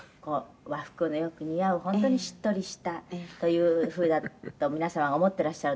「和服のよく似合う本当にしっとりしたという風だと皆様が思ってらっしゃると」